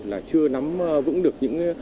là chưa nắm vững được những